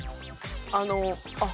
あの「あっ」